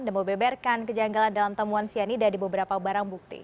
dan membeberkan kejanggalan dalam temuan sianida di beberapa barang bukti